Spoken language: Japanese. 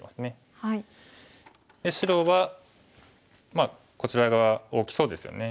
で白はまあこちら側大きそうですよね。